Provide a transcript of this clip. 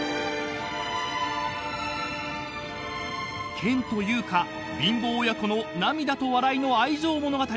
［けんと優香貧乏親子の涙と笑いの愛情物語］